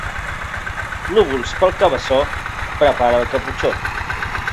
Núvols pel Cabeçó, prepara el caputxó.